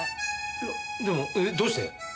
いやでもえどうして？